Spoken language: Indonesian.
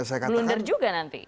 itu agak melunder juga nanti